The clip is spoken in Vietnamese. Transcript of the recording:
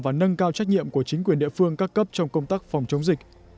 và nâng cao trách nhiệm của chính quyền địa phương các cấp trong công tác phòng chống dịch